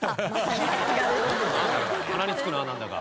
鼻につくななんだか。